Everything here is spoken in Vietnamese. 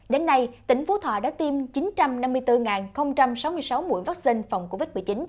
đến nay tỉnh phú thọ đã tiêm chín trăm năm mươi bốn sáu mươi sáu mũi vaccine phòng covid một mươi chín